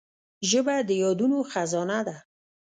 ژبه د یادونو خزانه ده